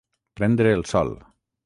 Prendre el sol.